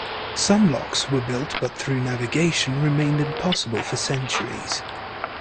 Some locks were built but through navigation remained impossible for centuries.